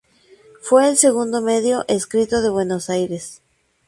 Fue el segundo medio escrito de Buenos Aires.